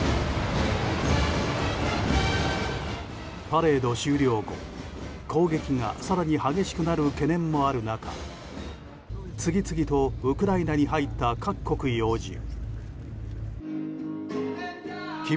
パレード終了後、攻撃が更に激しくなる懸念もある中次々とウクライナに入った各国要人。